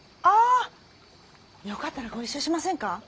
あよかったらご一緒しませんか？